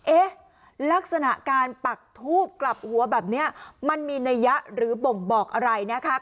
เอ๊ะลักษณะการปักทูบกลับหัวแบบนี้มันมีนัยยะหรือบ่งบอกอะไรนะคะ